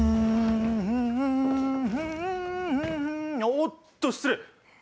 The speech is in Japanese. おおっと失礼！